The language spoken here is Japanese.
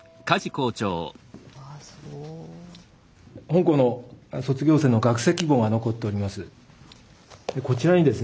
本校の卒業生の学籍簿が残っております。